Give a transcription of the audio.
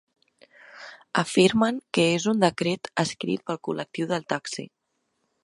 Afirmen que és un decret ‘escrit pel col·lectiu del taxi’.